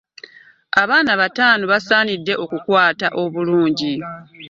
Baana bato abasaanidde okukwata obulungi.